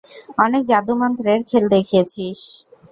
অনেক জাদুমন্ত্রের খেল দেখিয়েছিস!